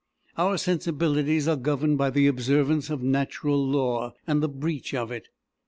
Our sensibilities are governed by the observance of natural law and the breach of it.